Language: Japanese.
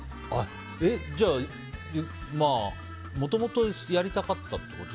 じゃあ、もともとやりたかったってこと？